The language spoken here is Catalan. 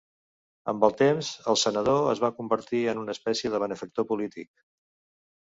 Amb el temps, el senador es va convertir en una espècie de benefactor polític.